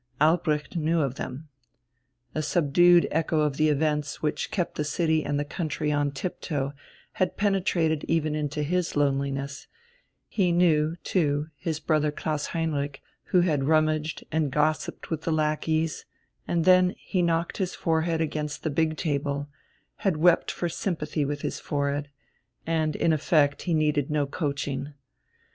Albrecht knew of them. A subdued echo of the events which kept the city and the country on tip toe had penetrated even into his loneliness; he knew, too, his brother Klaus Heinrich, who had "rummaged" and gossiped with the lackeys, and, then he knocked his forehead against the big table, had wept for sympathy with his forehead and in effect he needed no coaching.